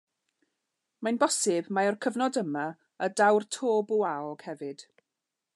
Mae'n bosib mai o'r cyfnod yma y daw'r to bwaog hefyd.